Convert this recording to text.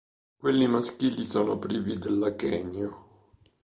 Quelli maschili sono privi dell'achenio.